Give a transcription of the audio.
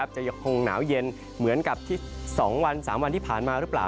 จะคงหนาเย็นเหมือนกับที่๒๓วันที่ผ่านมารึเปล่า